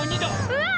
うわ！